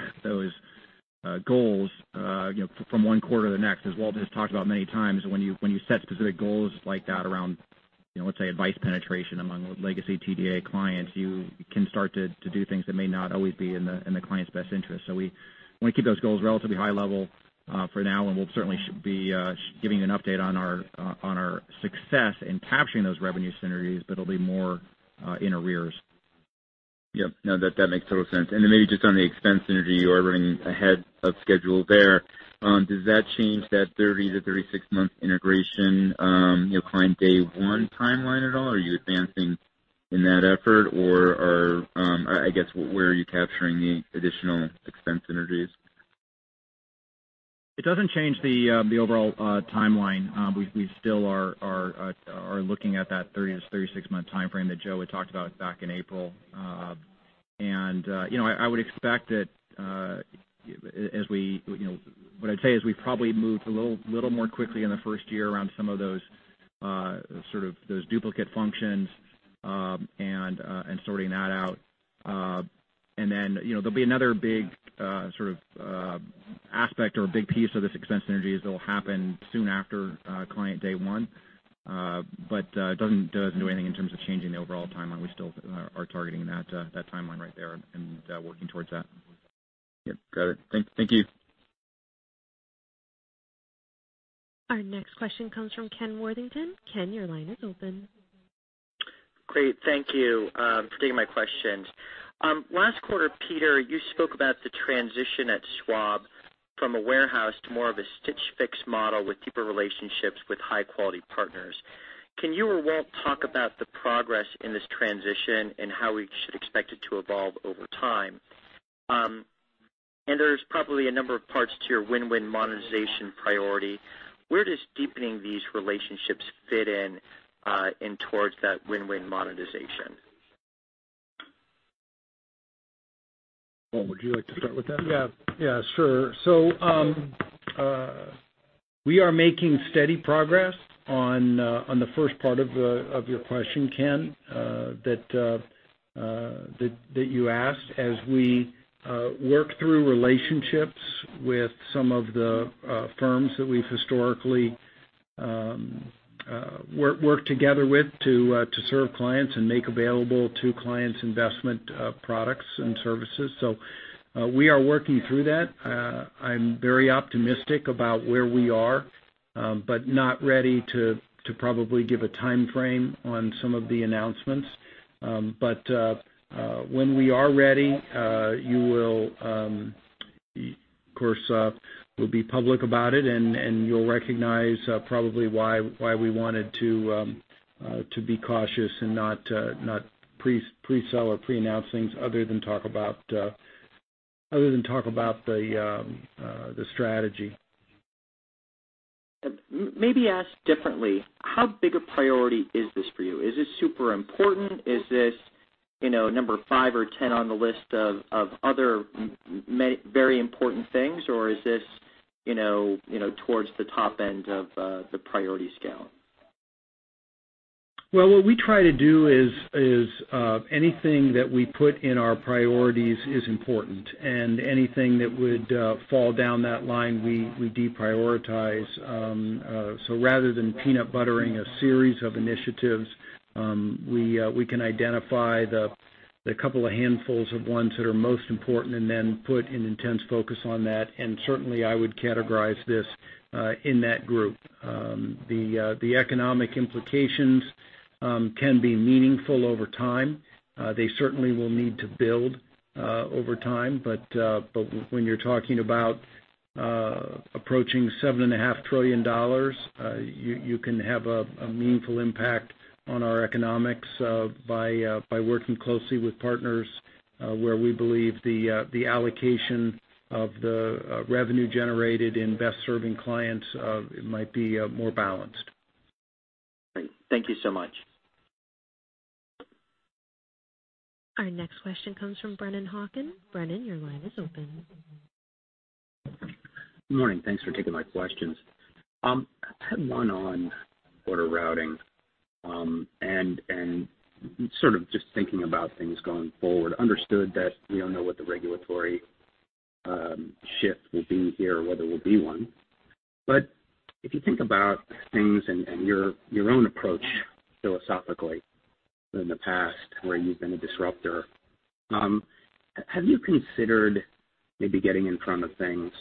goals from one quarter to the next. As Walt has talked about many times, when you set specific goals like that around, let's say, advice penetration among legacy TDA clients, you can start to do things that may not always be in the client's best interest. We want to keep those goals relatively high level for now, and we'll certainly be giving an update on our success in capturing those revenue synergies. It'll be more in arrears. Yep. No, that makes total sense. Maybe just on the expense synergy, you are running ahead of schedule there. Does that change that 30-36 month integration, client day one timeline at all? Are you advancing in that effort? I guess, where are you capturing the additional expense synergies? It doesn't change the overall timeline. We still are looking at that 30-36-month timeframe that Joe had talked about back in April. I would expect that what I'd say is we probably moved a little more quickly in the first year around some of those duplicate functions and sorting that out. There'll be another big sort of aspect or a big piece of this expense synergies that will happen soon after client day one. It doesn't do anything in terms of changing the overall timeline. We still are targeting that timeline right there and working towards that. Yep, got it. Thank you. Our next question comes from Ken Worthington. Ken, your line is open. Great. Thank you for taking my questions. Last quarter, Peter, you spoke about the transition at Schwab from a wirehouse to more of a Stitch Fix model with deeper relationships with high-quality partners. Can you or Walt talk about the progress in this transition and how we should expect it to evolve over time? There's probably a number of parts to your win-win monetization priority. Where does deepening these relationships fit in towards that win-win monetization? Walt, would you like to start with that? Yeah. Sure. We are making steady progress on the first part of your question, Ken, that you asked, as we work through relationships with some of the firms that we've historically. Work together with to serve clients and make available to clients investment products and services. We are working through that. I'm very optimistic about where we are, but not ready to probably give a timeframe on some of the announcements. When we are ready, of course, we'll be public about it and you'll recognize probably why we wanted to be cautious and not pre-sell or pre-announce things other than talk about the strategy. Maybe asked differently, how big a priority is this for you? Is this super important? Is this number five or 10 on the list of other very important things, or is this towards the top end of the priority scale? What we try to do is, anything that we put in our priorities is important, and anything that would fall down that line, we deprioritize. Rather than peanut buttering a series of initiatives, we can identify the couple of handfuls of ones that are most important and then put an intense focus on that, and certainly I would categorize this in that group. The economic implications can be meaningful over time. They certainly will need to build over time. When you're talking about approaching $7.5 trillion, you can have a meaningful impact on our economics by working closely with partners, where we believe the allocation of the revenue generated in best serving clients might be more balanced. Great. Thank you so much. Our next question comes from Brennan Hawken. Brennan, your line is open. Good morning. Thanks for taking my questions. I had one on order routing, and sort of just thinking about things going forward. Understood that we don't know what the regulatory shift will be here, whether there will be one. But if you think about things and your own approach philosophically in the past, where you've been a disruptor, have you considered maybe getting in front of things,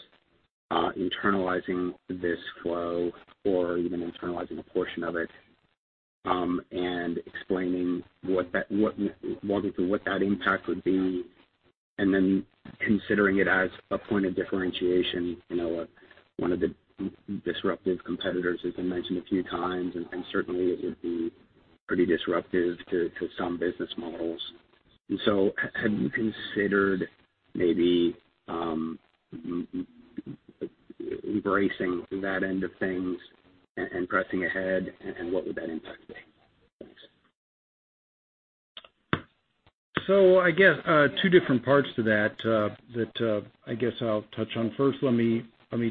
internalizing this flow, or even internalizing a portion of it, and walking through what that impact would be and then considering it as a point of differentiation, one of the disruptive competitors, as I mentioned a few times, and certainly it would be pretty disruptive to some business models. Have you considered maybe embracing that end of things and pressing ahead, and what would that impact be? Thanks. I guess two different parts to that I guess I'll touch on. First, let me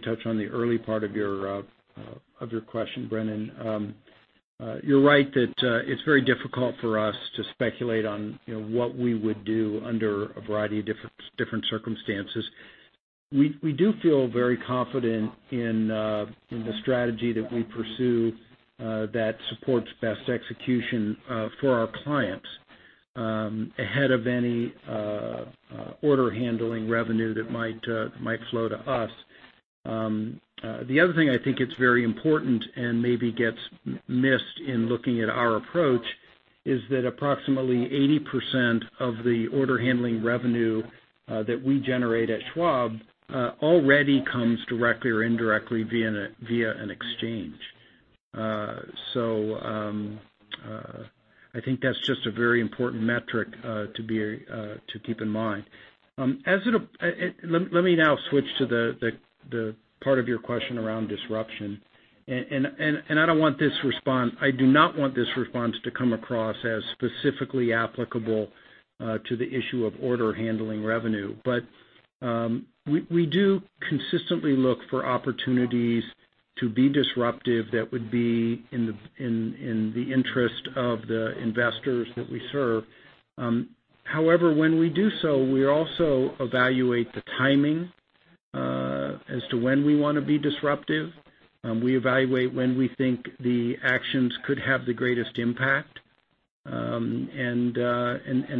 touch on the early part of your question, Brennan. You're right that it's very difficult for us to speculate on what we would do under a variety of different circumstances. We do feel very confident in the strategy that we pursue that supports best execution for our clients ahead of any order handling revenue that might flow to us. The other thing I think it's very important and maybe gets missed in looking at our approach is that approximately 80% of the order handling revenue that we generate at Schwab already comes directly or indirectly via an exchange. I think that's just a very important metric to keep in mind. Let me now switch to the part of your question around disruption. I do not want this response to come across as specifically applicable to the issue of order handling revenue. We do consistently look for opportunities to be disruptive that would be in the interest of the investors that we serve. However, when we do so, we also evaluate the timing as to when we want to be disruptive. We evaluate when we think the actions could have the greatest impact.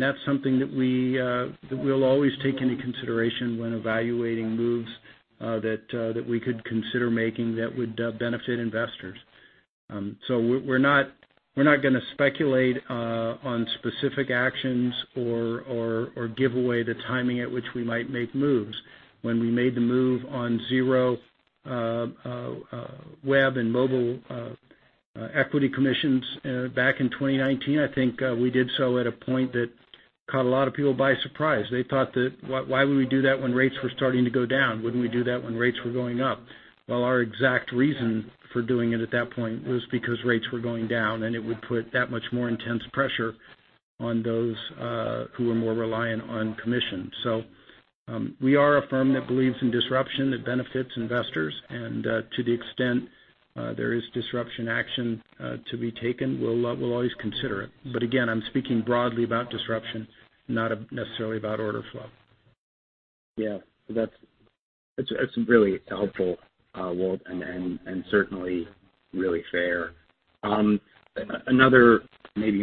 That's something that we'll always take into consideration when evaluating moves that we could consider making that would benefit investors. We're not going to speculate on specific actions or give away the timing at which we might make moves. When we made the move on zero web and mobile equity commissions back in 2019, I think we did so at a point that caught a lot of people by surprise. They thought that, "Why would we do that when rates were starting to go down? Wouldn't we do that when rates were going up?" Our exact reason for doing it at that point was because rates were going down, and it would put that much more intense pressure on those who are more reliant on commission. We are a firm that believes in disruption that benefits investors, and to the extent there is disruption action to be taken, we'll always consider it. Again, I'm speaking broadly about disruption, not necessarily about order flow. Yeah. That's really helpful, Walt, and certainly really fair. Another maybe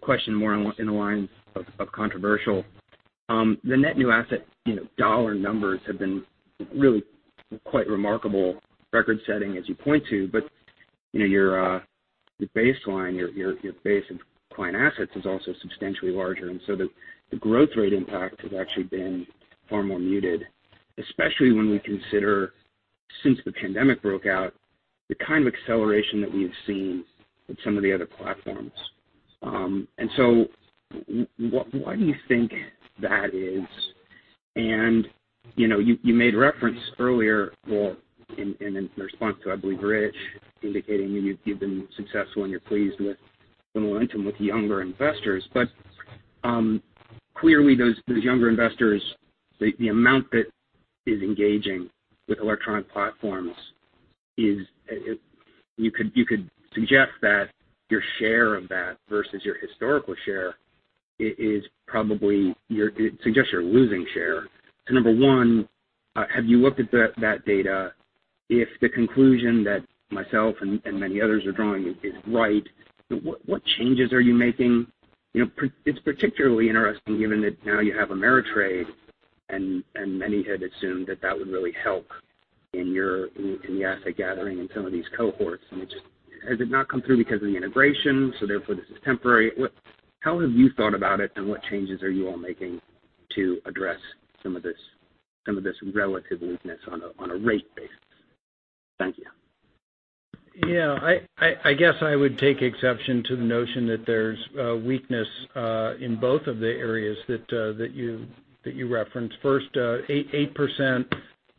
question more in the lines of controversial. The net new asset dollar numbers have been really quite remarkable, record-setting as you point to. Your baseline, your base in client assets is also substantially larger. The growth rate impact has actually been far more muted, especially when we consider, since the pandemic broke out, the kind of acceleration that we've seen with some of the other platforms. Why do you think that is? You made reference earlier, Walt, in response to, I believe, Rich, indicating that you've been successful and you're pleased with the momentum with younger investors. Clearly, those younger investors, the amount that is engaging with electronic platforms you could suggest that your share of that versus your historical share is probably suggests you're losing share. Number one, have you looked at that data? If the conclusion that myself and many others are drawing is right, what changes are you making? It's particularly interesting given that now you have Ameritrade, and many had assumed that that would really help in the asset gathering in some of these cohorts. Has it not come through because of the integration, so therefore this is temporary? How have you thought about it, and what changes are you all making to address some of this relative weakness on a rate basis? Thank you. Yeah. I guess I would take exception to the notion that there's a weakness in both of the areas that you referenced. First, 8%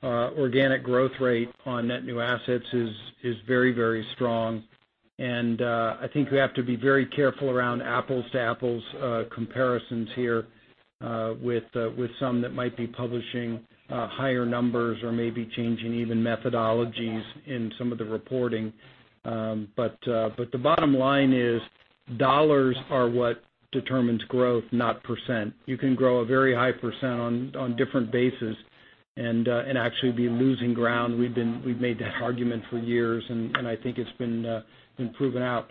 organic growth rate on net new assets is very strong. I think we have to be very careful around apples to apples comparisons here with some that might be publishing higher numbers or maybe changing even methodologies in some of the reporting. The bottom line is, dollars are what determines growth, not percent. You can grow a very high percent on different bases and actually be losing ground. We've made that argument for years, and I think it's been proven out.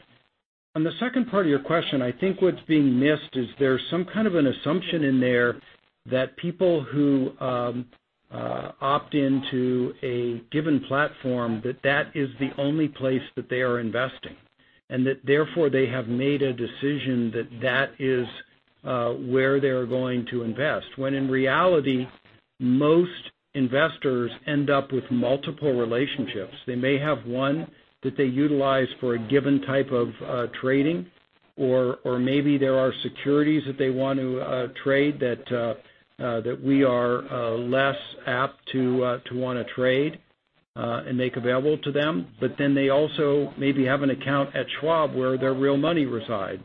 On the second part of your question, I think what's being missed is there's some kind of an assumption in there that people who opt into a given platform, that that is the only place that they are investing, and that therefore they have made a decision that that is where they're going to invest, when in reality, most investors end up with multiple relationships. They may have one that they utilize for a given type of trading, or maybe there are securities that they want to trade that we are less apt to want to trade and make available to them. They also maybe have an account at Schwab where their real money resides.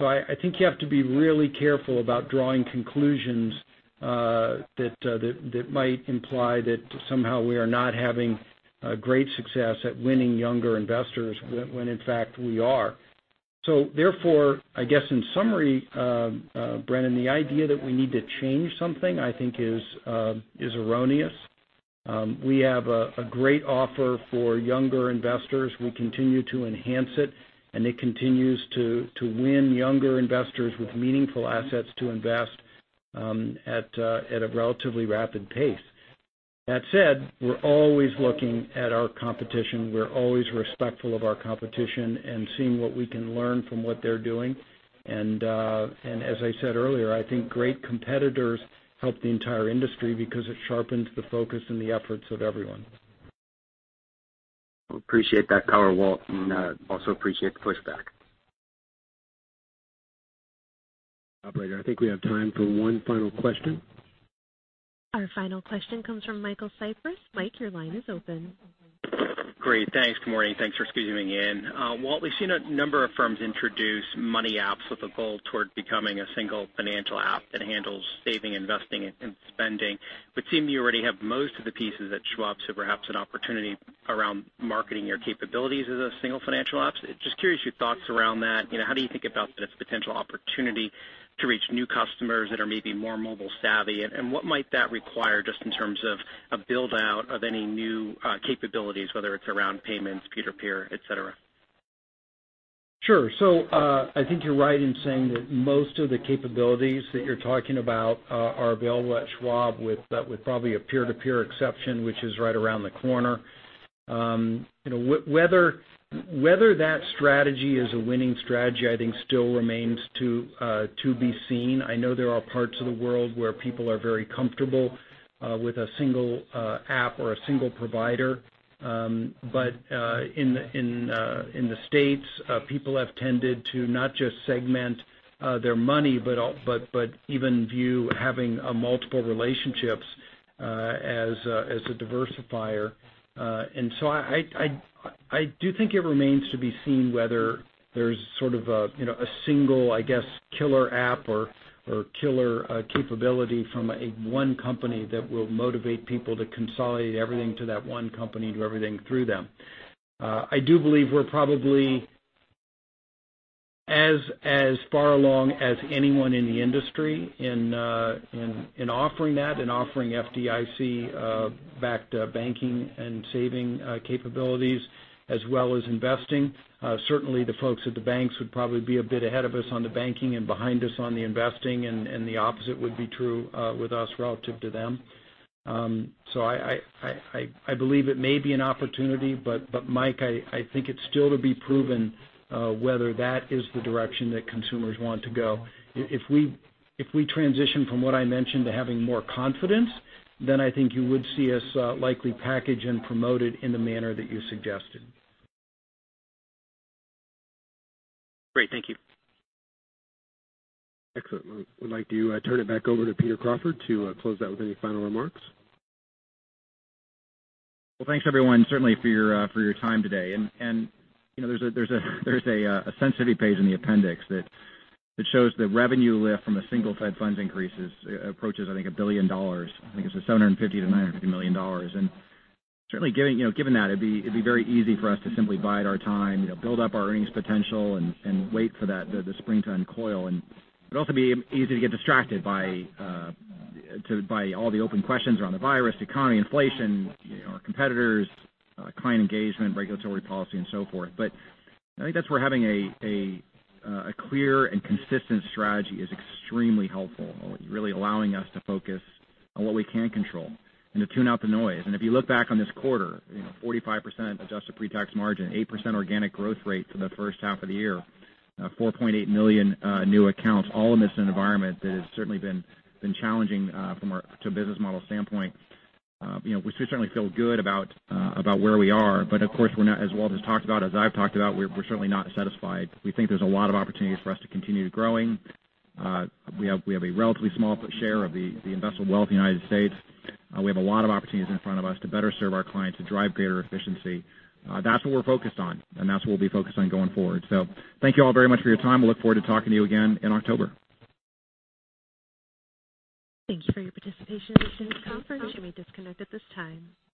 I think you have to be really careful about drawing conclusions that might imply that somehow we are not having great success at winning younger investors, when in fact, we are. Therefore, I guess in summary, Brennan, the idea that we need to change something, I think is erroneous. We have a great offer for younger investors. We continue to enhance it, and it continues to win younger investors with meaningful assets to invest at a relatively rapid pace. That said, we're always looking at our competition. We're always respectful of our competition and seeing what we can learn from what they're doing. As I said earlier, I think great competitors help the entire industry because it sharpens the focus and the efforts of everyone. Appreciate that color, Walt, and also appreciate the pushback. Operator, I think we have time for one final question. Our final question comes from Michael Cyprys. Mike, your line is open. Great. Thanks. Good morning. Thanks for squeezing me in. Walt, we've seen a number of firms introduce money apps with a goal toward becoming a single financial app that handles saving, investing, and spending. Would seem you already have most of the pieces at Schwab. Perhaps an opportunity around marketing your capabilities as a single financial app. Just curious your thoughts around that. How do you think about this potential opportunity to reach new customers that are maybe more mobile savvy? What might that require just in terms of a build-out of any new capabilities, whether it's around payments, peer-to-peer, et cetera? Sure. I think you're right in saying that most of the capabilities that you're talking about are available at Schwab with probably a peer-to-peer exception, which is right around the corner. Whether that strategy is a winning strategy, I think still remains to be seen. I know there are parts of the world where people are very comfortable with a single app or a single provider. In the States, people have tended to not just segment their money, but even view having multiple relationships as a diversifier. I do think it remains to be seen whether there's sort of a single, I guess, killer app or killer capability from one company that will motivate people to consolidate everything to that one company and do everything through them. I do believe we're probably As far along as anyone in the industry in offering that and offering FDIC-backed banking and saving capabilities as well as investing. Certainly, the folks at the banks would probably be a bit ahead of us on the banking and behind us on the investing, and the opposite would be true with us relative to them. I believe it may be an opportunity, but Michael Cyprys, I think it's still to be proven whether that is the direction that consumers want to go. If we transition from what I mentioned to having more confidence, then I think you would see us likely package and promote it in the manner that you suggested. Great. Thank you. Excellent. We'd like to turn it back over to Peter Crawford to close out with any final remarks. Well, thanks everyone certainly for your time today. There's a sensitivity page in the appendix that shows the revenue lift from a single Fed funds increases approaches, I think $1 billion. I think it's $750 million-$950 million. Certainly given that, it'd be very easy for us to simply bide our time, build up our earnings potential and wait for the spring to uncoil. It'd also be easy to get distracted by all the open questions around the virus, economy, inflation, our competitors, client engagement, regulatory policy, and so forth. I think that's where having a clear and consistent strategy is extremely helpful, really allowing us to focus on what we can control and to tune out the noise. If you look back on this quarter, 45% adjusted pre-tax margin, 8% organic growth rate for the H1 of the year, 4.8 million new accounts, all in this environment that has certainly been challenging from a business model standpoint. We certainly feel good about where we are. Of course, as Walt has talked about, as I've talked about, we're certainly not satisfied. We think there's a lot of opportunities for us to continue growing. We have a relatively small share of the investable wealth in the U.S. We have a lot of opportunities in front of us to better serve our clients, to drive greater efficiency. That's what we're focused on, and that's what we'll be focused on going forward. Thank you all very much for your time. We look forward to talking to you again in October. Thank you for your participation in today's conference.